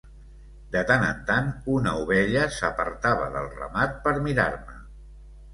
De tant en tant una ovella s'apartava del ramat per mirar-me.